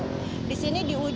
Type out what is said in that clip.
jadi di sini di ujung